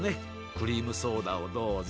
クリームソーダをどうぞ。